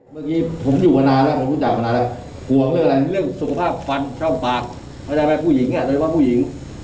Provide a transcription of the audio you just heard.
พอนี้เป็นธรรมชาติผมไม่ได้ว่าอะไรเพราะว่าแคลเซียมลูกมันเอาไปเยอะ